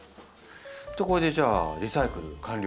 これでじゃあリサイクル完了？